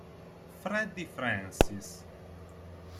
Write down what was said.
Freddie Francis